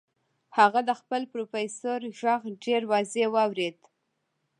هغه د خپل پروفيسور غږ ډېر واضح واورېد.